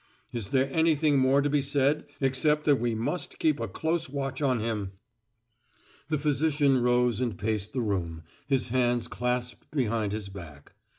Is there anything more to be said except that we must keep a close watch on him?" The physician rose and paced the room, his hands clasped behind his back.